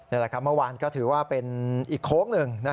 เมื่อวานก็ถือว่าเป็นอีกโค้งหนึ่ง